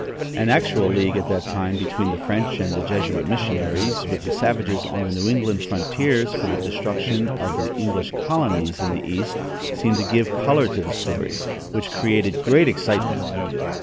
An actual league at that time between the French and the Jesuit missionaries with the savages on the New England frontiers for the destruction of the English colonies in the east seemed to give color to the story, which created great excitement.